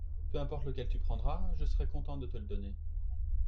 Peu importe lequel tu prendras je serai content de te le donner.